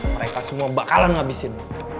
mereka semua bakalan ngabisin